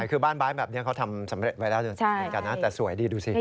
คือบ้านบ้านแบบนี้เขาทำสำเร็จไว้แล้วแต่สวยดีดูสิฮะ